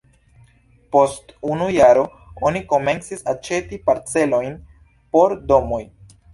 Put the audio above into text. Post unu jaro oni komencis aĉeti parcelojn por domoj.